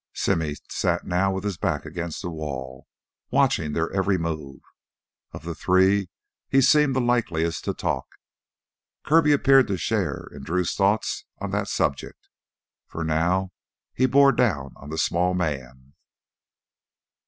Simmy sat now with his back against the wall, watching their every move. Of the three, he seemed the likeliest to talk. Kirby appeared to share in Drew's thoughts on that subject, for now he bore down on the small man.